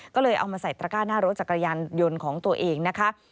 ก็เลยเอามาใส่ตระก้าหน้ารถจักรยานยนต์ของตัวเองนะคะ